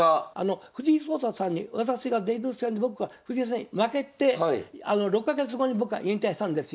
藤井聡太さんに私がデビュー戦で僕が藤井さんに負けて６か月後に僕は引退したんですよね。